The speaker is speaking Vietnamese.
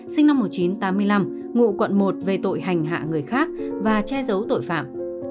sinh năm một nghìn chín trăm tám mươi năm ngụ quận một về tội hành hạ người khác và che giấu tội phạm